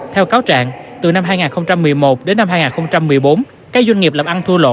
theo cáo trạng từ năm hai nghìn một mươi một đến năm hai nghìn một mươi bốn các doanh nghiệp làm ăn thua lỗ